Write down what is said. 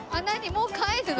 もう帰るの？